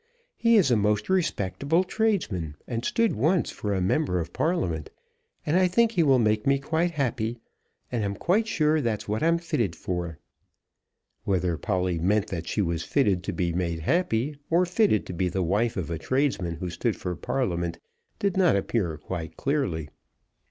He is a most respectable tradesman, and stood once for a member of Parliament, and I think he will make me quite happy; and I'm quite sure that's what I'm fitted for. Whether Polly meant that she was fitted to be made happy, or fitted to be the wife of a tradesman who stood for Parliament, did not appear quite clearly.